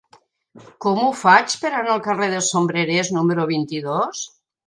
Com ho faig per anar al carrer dels Sombrerers número vint-i-dos?